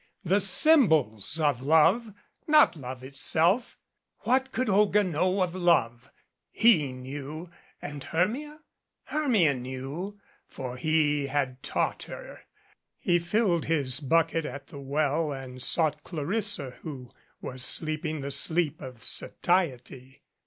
The symbols of love not love itself what could Olga know of love? He MADCAP knew and Hermla? Hermia knew, for he had taught her. He filled his bucket at the well and sought Clarissa, who was sleeping the sleep of satiety.